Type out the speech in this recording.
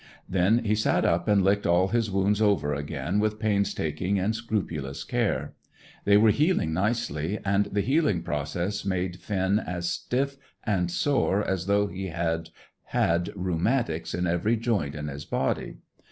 Then he sat up and licked all his wounds over again with painstaking and scrupulous care. They were healing nicely, and the healing process made Finn as stiff and sore as though he had had rheumatics in every joint in his body.